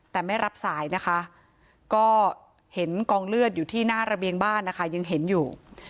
แต่ไม่รับสายนะคะก็เห็นกองเลือดอยู่ที่หน้าระเบียงบ้านนะคะยังเห็นอยู่